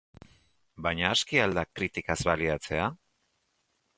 Baina aski al da kritikaz baliatzea?